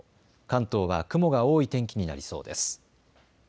関東は雲が多い天気になりそうです。